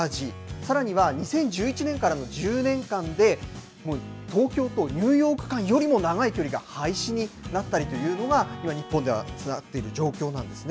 さらには、２０１１年からの１０年間で、もう東京とニューヨーク間よりも長い距離が廃止になったりというのが、今、日本では状況なんですね。